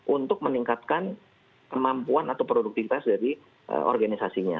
untuk meningkatkan kemampuan atau produktivitas dari organisasinya